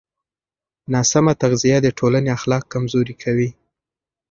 ناسمه تغذیه د ټولنې اخلاق کمزوري کوي.